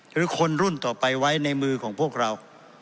หรือคนรุ่นต่อไปไว้ในมือของพวกเรา